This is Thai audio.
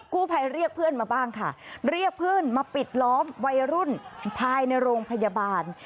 ภัยเรียกเพื่อนมาบ้างค่ะเรียกเพื่อนมาปิดล้อมวัยรุ่นภายในโรงพยาบาล